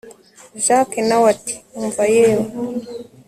jack nawe ati umva yewe